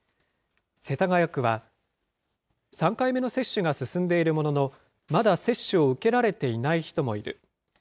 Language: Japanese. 世田谷区は、３回目の接種が進んでいるものの、まだ接種を受けられていない人もいる。